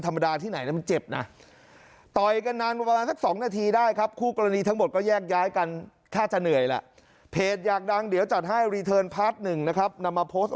ฟาดเข้าฟาดทุกที่เลยนะครับโอ้โห